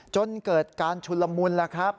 จนเกิดการชุนละมุนแล้วครับ